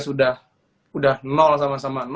sudah nol sama sama